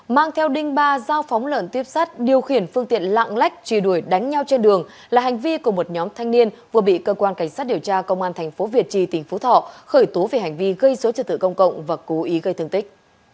mang theo đinh ba giao phóng lợn tiếp sát điều khiển phương tiện lạng lách trì đuổi đánh nhau trên đường là hành vi của một nhóm thanh niên vừa bị cơ quan cảnh sát điều tra công an thành phố việt trì tỉnh phú thọ khởi tố về hành vi gây số trật tự công cộng và cố ý gây thương tích